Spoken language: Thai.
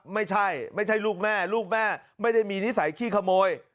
ไม่ใช่ลูกแม่ไม่ได้มีนิสัยขี้ขโมย